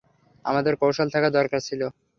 আমাদের কৌশল থাকা দরকার ছিল।